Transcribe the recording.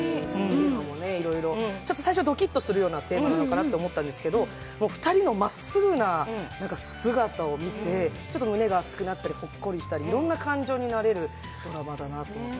いろいろ、最初はドキッとするテーマなのかなと思ったんですけど２人のまっすぐな姿を見て、ちょっと胸が熱くなったり、ほっこりしたりいろんな感情になれるドラマだなと思って。